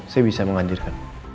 saya bisa menghadirkan